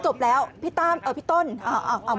ก็ตอบได้คำเดียวนะครับ